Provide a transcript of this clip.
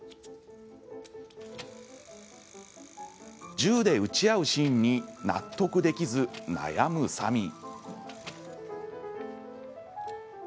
銃で撃ち合うシーンに納得できず悩むサミー。